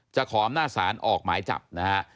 ขออำนาจศาลออกหมายจับนะฮะ